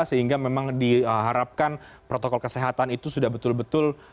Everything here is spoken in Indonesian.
sehingga memang diharapkan protokol kesehatan itu sudah betul betul